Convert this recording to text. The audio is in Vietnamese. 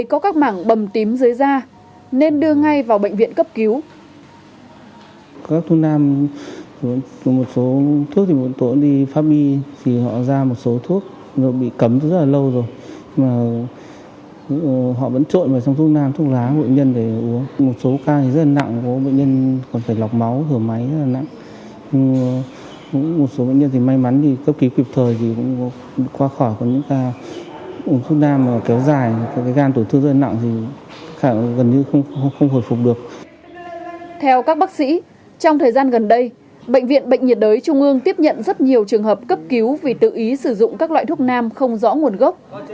các bác sĩ trong thời gian gần đây bệnh viện bệnh nhiệt đới trung ương tiếp nhận rất nhiều trường hợp cấp cứu vì tự ý sử dụng các loại thuốc nam không rõ nguồn gốc